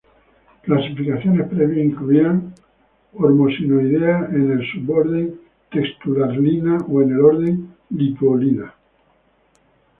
Clasificaciones previas incluían Hormosinoidea en el Suborden Textulariina o en el Orden Lituolida.